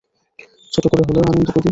ছোট করে হলেও আনন্দ করি?